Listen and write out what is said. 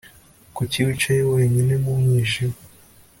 Kuki wicaye wenyine mu mwijima